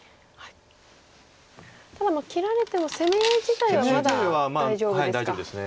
ただ切られても攻め合い自体はまだ大丈夫ですか。